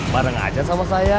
bareng aja sama saya